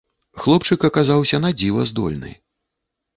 Хлопчык аказаўся надзіва здольны.